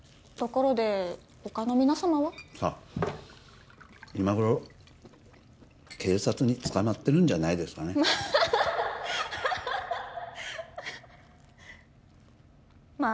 ところで他の皆様は？さあ今頃警察に捕まってるんじゃないですかねまあ！